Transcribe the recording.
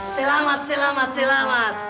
selamat selamat selamat